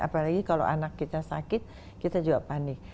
apalagi kalau anak kita sakit kita juga panik